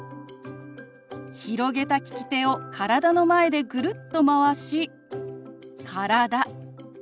広げた利き手を体の前でぐるっとまわし「体」。